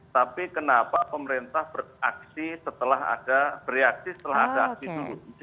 tapi kenapa pemerintah beraksi setelah ada beriakasi